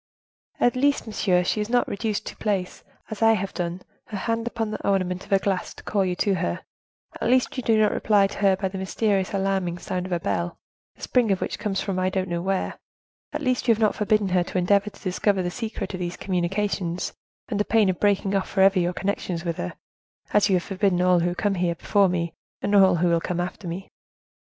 "At least, monsieur, she is not reduced to place, as I have done, her hand upon the ornament of a glass to call you to her; at least you do not reply to her by the mysterious, alarming sound of a bell, the spring of which comes from I don't know where; at least you have not forbidden her to endeavor to discover the secret of these communications under pain of breaking off forever your connections with her, as you have forbidden all who come here before me, and who will come after me."